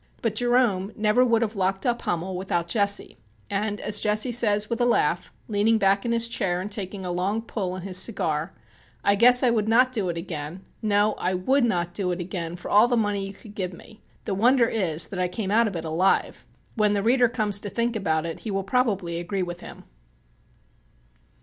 But Jerome never would have locked up Hummel without Jesse. And, as Jesse says with a laugh, leaning back in his chair and taking a long pull on his cigar, "I guess I would not do it again no, I would not do it again for all the money you could give me. The wonder is that I came out of it alive." When the reader comes to think about it he will probably agree with him.